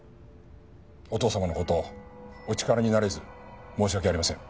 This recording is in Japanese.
お父様の事お力になれず申し訳ありません。